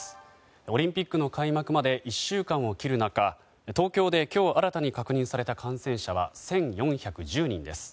オリンピックの開幕まで１週間を切る中東京で今日新たに確認された感染者は１４１０人です。